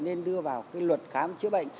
nên đưa vào cái luật khám chữa bệnh